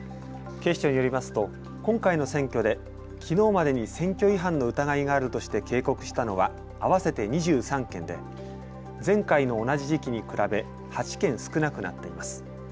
警視庁によりますと今回の選挙できのうまでに選挙違反の疑いがあるとして警告したのは合わせて２３件で前回の同じ時期に比べ８件少なくなっています。